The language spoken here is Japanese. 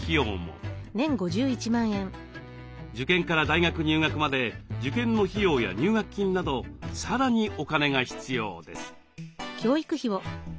受験から大学入学まで受験の費用や入学金などさらにお金が必要です。